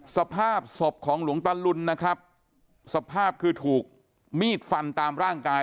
สภาพศพของหลวงตะลุนนะครับสภาพคือถูกมีดฟันตามร่างกาย